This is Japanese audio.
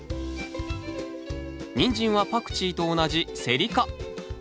ニンジンはパクチーと同じセリ科。